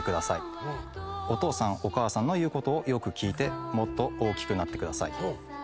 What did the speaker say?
「お父さんお母さんの言うことをよく聞いてもっと大きくなってください。